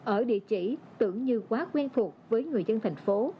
ở địa chỉ tưởng như quá quen thuộc với người dân thành phố